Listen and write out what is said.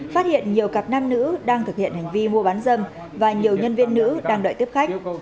phát hiện nhiều cặp nam nữ đang thực hiện hành vi mua bán dâm và nhiều nhân viên nữ đang đợi tiếp khách